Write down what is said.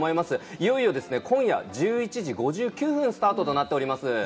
いよいよ今夜１１時５９分スタートとなっております。